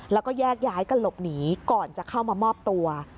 แล้วก็แยกย้ายกันหลบหนีก่อนจะเข้ามามอบตัว